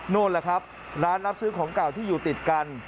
แหละครับร้านรับซื้อของเก่าที่อยู่ติดกัน